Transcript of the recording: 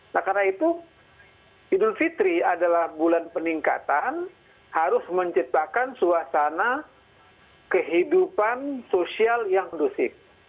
nah karena itu idul fitri adalah bulan peningkatan harus menciptakan suasana kehidupan sosial yang kondusif